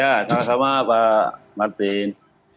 ya sama sama pak martin